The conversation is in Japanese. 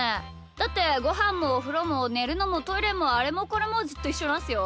だってごはんもおふろもねるのもトイレもあれもこれもずっといっしょなんすよ。